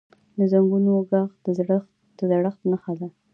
د زنګونونو ږغ د زړښت نښه ده.